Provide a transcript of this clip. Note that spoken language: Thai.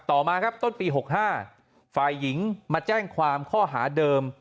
ต่อมาครับต้นปี๖๕ฝ่ายหญิงมาแจ้งความข้อหาเดิม